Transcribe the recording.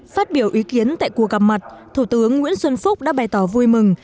phát biểu ý kiến tại cuộc gặp mặt thủ tướng nguyễn xuân phúc đã bày tỏ vui mừng